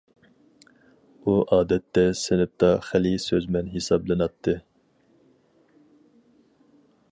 ئۇ ئادەتتە سىنىپتا خېلى سۆزمەن ھېسابلىناتتى.